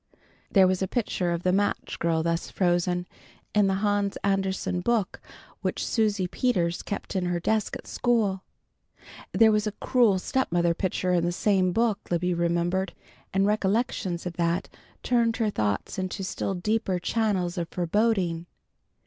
There was a picture of the Match Girl thus frozen, in the Hans Andersen book which Susie Peters kept in her desk at school. There was a cruel stepmother picture in the same book, Libby remembered, and recollections of that turned her thoughts into still deeper channels of foreboding.